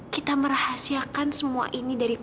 kita merahasiakan semua ini dari papa